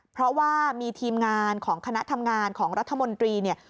เพราะว่ามีทีมงานของคณะทำงานของรัฐมนตรีเนี่ย